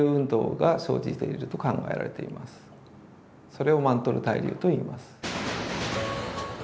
それをマントル対流といいます。